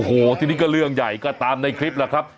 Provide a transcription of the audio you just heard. โอ้โหทีนี้ก็เรื่องใหญ่ก็ตามในคลิปแหละครับ